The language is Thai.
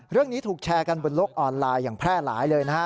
เรื่องนี้ถูกแชร์กันบนโลกออนไลน์อย่างแพร่หลายเลยนะฮะ